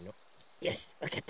よしわかった！